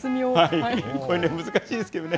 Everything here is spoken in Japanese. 難しいですけどね。